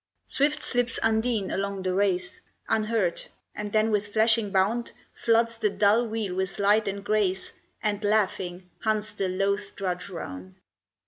Swift slips Undine along the race Unheard, and then, with flashing bound, Floods the dull wheel with light and grace, And, laughing, hunts the loath drudge round.